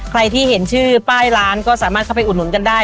ใครที่เห็นชื่อป้ายร้านก็สามารถเข้าไปอุดหนุนกันได้